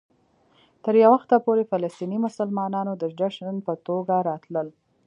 تر یو وخته پورې فلسطيني مسلمانانو د جشن په توګه راتلل.